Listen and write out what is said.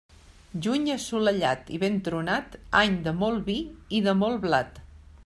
Juny assolellat i ben tronat, any de molt vi i de molt blat.